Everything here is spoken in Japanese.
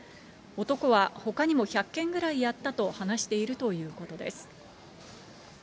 男はほかにも１００件ぐらいやったと話しているということです。